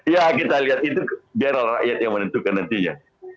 ya kita lihat itu biar rakyat yang menentukan nantinya